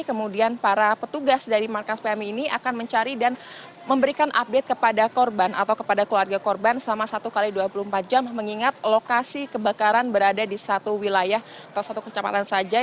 kemudian para petugas dari markas pmi ini akan mencari dan memberikan update kepada korban atau kepada keluarga korban selama satu x dua puluh empat jam mengingat lokasi kebakaran berada di satu wilayah atau satu kecamatan saja